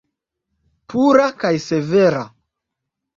Pura kaj severa.